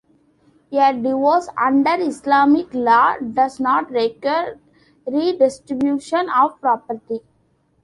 A divorce under Islamic law does not require redistribution of property.